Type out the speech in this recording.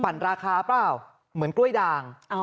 ราคาเปล่าเหมือนกล้วยด่าง